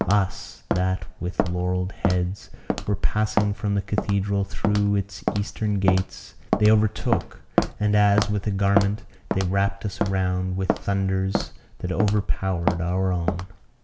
Us, that, with laurelled heads, were passing from the cathedral through its eastern gates, they overtook, and, as with a garment, they wrapped us round with thunders that overpowered our own.